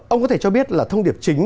ông có thể cho biết là thông điệp chính